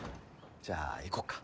じゃあ行こっか。